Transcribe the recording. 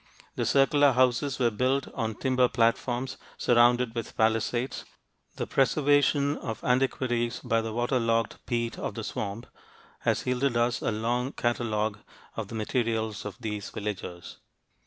The circular houses were built on timber platforms surrounded with palisades. The preservation of antiquities by the water logged peat of the swamp has yielded us a long catalogue of the materials of these villagers.